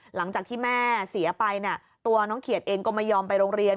หลังจากที่แม่เสียไปตัวน้องเขียดเองก็ไม่ยอมไปโรงเรียน